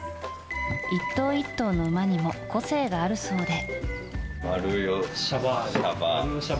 １頭１頭の馬にも個性があるそうで。